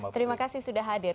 terima kasih sudah hadir